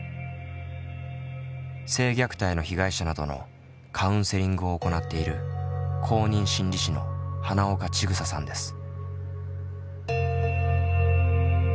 性虐待の被害者などのカウンセリングを行っている公認心理師の花丘ちぐささんです。